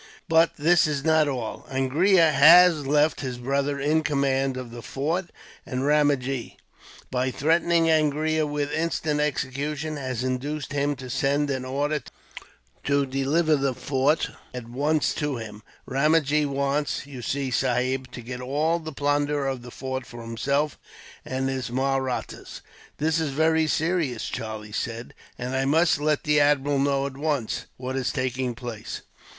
"But this is not all. Angria has left his brother in command of the fort; and Ramajee, by threatening Angria with instant execution, has induced him to send an order to deliver the fort at once to him. Ramajee wants, you see, Sahib, to get all the plunder of the fort for himself, and his Mahrattas." "This is very serious," Charlie said, "and I must let the admiral know, at once, what is taking place."